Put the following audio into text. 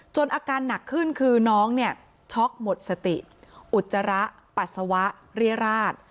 อาการหนักขึ้นคือน้องเนี่ยช็อกหมดสติอุจจาระปัสสาวะเรียราช